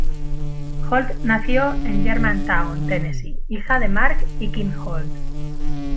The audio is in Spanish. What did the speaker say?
Holt nació en Germantown, Tennessee, hija de Mark y Kim Holt.